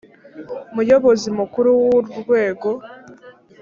Muyobozi Mukuru w’uru rwego